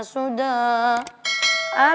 aku mau bekerja